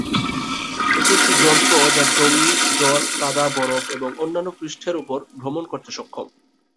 এটি একটি যন্ত্র যা জমি, জল, কাদা, বরফ, এবং অন্যান্য পৃষ্ঠের উপর ভ্রমণ করতে সক্ষম।